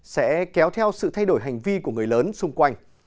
sẽ kéo theo sự thay đổi hành vi của người lớn xung quanh